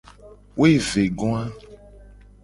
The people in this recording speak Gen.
Woevegoa.